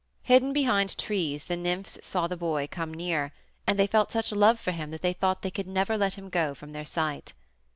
Hidden behind trees the nymphs saw the boy come near, and they felt such love for him that they thought they could never let him go from their sight.